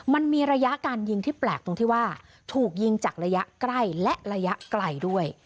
มันมีระยะการยิงที่แปลกตรงที่ว่าถูกยิงจากระยะใกล้และระยะไกลด้วย